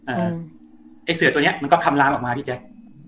ไอ้เสือตัวเนี้ยมันก็คำลามออกมาพี่แจ๊ค